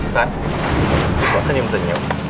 san kok senyum senyum